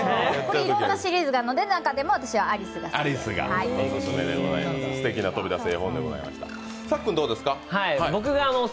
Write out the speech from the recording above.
いろんなシリーズがある中でも私は「アリス」が好きです。